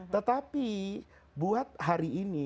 tetapi buat hari ini